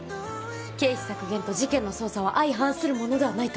経費削減と事件の捜査は相反するものではないと。